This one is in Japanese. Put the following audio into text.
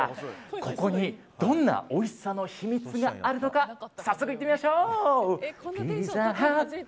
ここにどんなおいしさの秘密があるのか早速行ってみましょう！